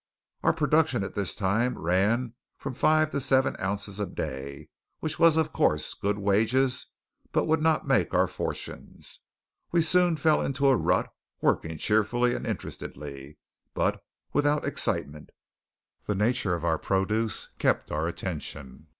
Our production at this time ran from five to seven ounces a day, which was, of course, good wages, but would not make our fortunes. We soon fell into a rut, working cheerfully and interestedly, but without excitement. The nature of our produce kept our attention.